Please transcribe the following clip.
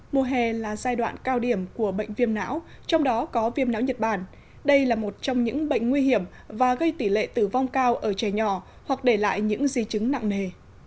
mùa hè là giai đoạn cao điểm của bệnh viêm não trong đó có viêm não nhật bản đây là một trong những bệnh nguy hiểm và gây tỷ lệ tử vong cao ở trẻ nhỏ hoặc để lại những di chứng nặng nề